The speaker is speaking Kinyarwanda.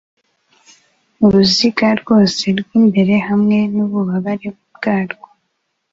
Uruziga rwose rw'imbere hamwe n'ububabare bwarwo